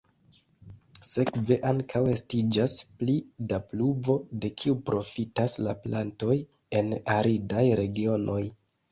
Sekve ankaŭ estiĝas pli da pluvo, de kiu profitas la plantoj en aridaj regionoj.